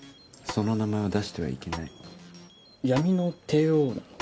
その名前を出してはいけない闇の帝王なの？